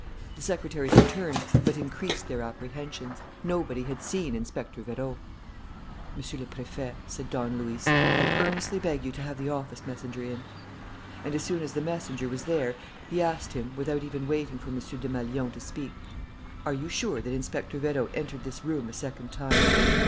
The secretary's return but increased their apprehensions: nobody had seen Inspector Vérot. "Monsieur le Préfet," said Don Luis, "I earnestly beg you to have the office messenger in." And, as soon as the messenger was there, he asked him, without even waiting for M. Desmalions to speak: "Are you sure that Inspector Vérot entered this room a second time?"